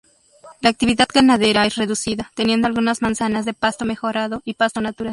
La actividad ganadera es reducida, teniendo algunas manzanas de pasto mejorado y pasto natural.